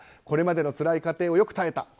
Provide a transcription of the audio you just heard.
これまでのつらい過程をよく耐えた。